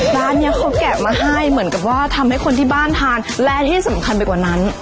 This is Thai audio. ร้านนี้เขาแกะมาให้เหมือนกับว่าทำให้คนที่บ้านทานและที่สำคัญไปกว่านั้น